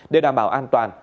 để đảm bảo an toàn